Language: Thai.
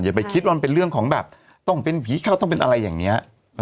ไปคิดว่ามันเป็นเรื่องของแบบต้องเป็นผีเข้าต้องเป็นอะไรอย่างนี้